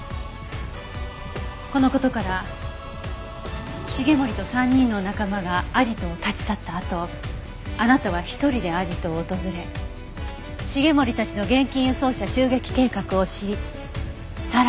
この事から繁森と３人の仲間がアジトを立ち去ったあとあなたは１人でアジトを訪れ繁森たちの現金輸送車襲撃計画を知りさらに。